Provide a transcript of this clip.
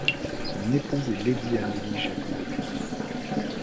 Son épouse est Lady Amélie Jakobovits.